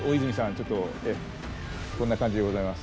ちょっとこんな感じでございます。